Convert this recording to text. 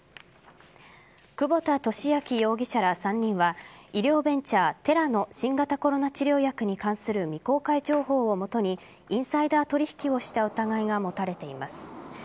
久保田俊明容疑者ら３人は医療ベンチャー・テラの新型コロナ治療薬に関する未公開情報を基にインサイダー取引をした疑いが持たれています。